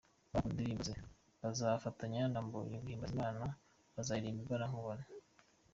Abakunze indirimbo ze, bazafatanya na Mbonyi guhimbaza Imana baziririmba imbonankubone.